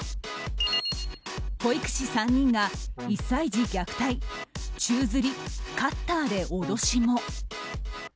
保育士３人が１歳児虐待宙づり、カッターで脅しも。